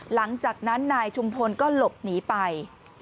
หลังจากนั้นนายชุมพลก็หลบหนีไป